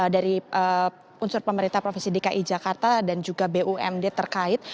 dari unsur pemerintah provinsi dki jakarta dan juga bumd terkait